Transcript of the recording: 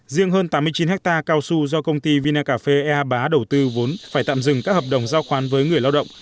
riêng hơn tám mươi chín hectare cao su do công ty vinacafe ea bá đầu tư vốn phải tạm dừng các hợp đồng giao khoán với người lao động